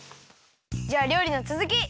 じゃありょうりのつづき！